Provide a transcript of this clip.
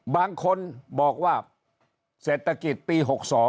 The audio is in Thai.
บางคนบอกว่าเศรษฐกิจปี๖๒